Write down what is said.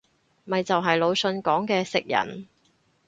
咪就係魯迅講嘅食人